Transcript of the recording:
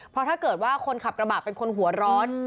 เพราะถ้าเกิดว่าคนขับกระบะเป็นคนหัวร้อน